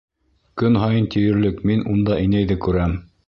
Көн һайын тиерлек мин унда инәйҙе күрәм.